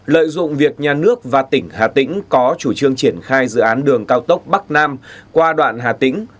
lợi dụng việc nhà nước và tỉnh hà tĩnh có chủ trương triển khai dự án đường cao tốc bắc nam qua đoạn hà tĩnh